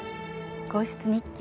『皇室日記』